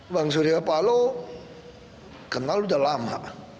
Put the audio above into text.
bang suria palo kenal udah lama